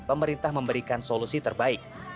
pemerintah memberikan solusi terbaik